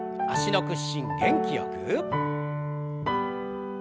脚の屈伸元気よく。